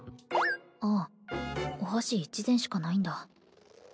ああお箸一膳しかないんだ